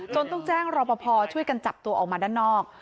ต้องแจ้งรอปภช่วยกันจับตัวออกมาด้านนอก